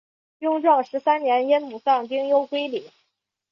雍正十三年因母丧丁忧归里。